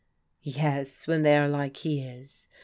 '*" Yes, when they are like he is.